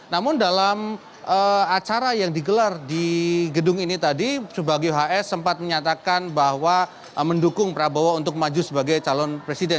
namun dalam acara yang digelar di gedung ini tadi subagio hs sempat menyatakan bahwa mendukung prabowo untuk maju sebagai calon presiden